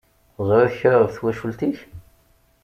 Teẓṛiḍ kra ɣef twacult-ik?